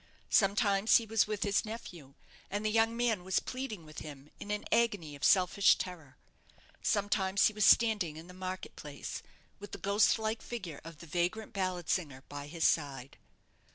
Sometimes he was with his nephew, and the young man was pleading with him in an agony of selfish terror; sometimes he was standing in the market place, with the ghost like figure of the vagrant ballad singer by his side.